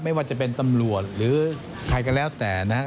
ไม่ว่าจะเป็นตำรวจหรือใครก็แล้วแต่นะฮะ